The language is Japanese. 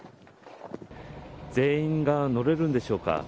全員が乗れるんでしょうか。